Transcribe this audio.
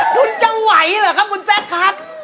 คุณจะไหวเหรอครับคุณแซคครับ